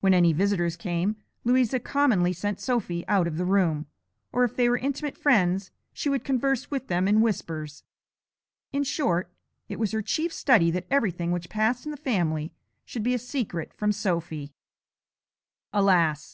When any visitors came Louisa commonly sent Sophy out of the room, or if they were intimate friends she would converse with them in whispers; in short, it was her chief study that everything which passed in the family should be a secret from Sophy. Alas!